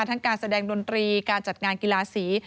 การแสดงดนตรีการจัดงานกีฬาสี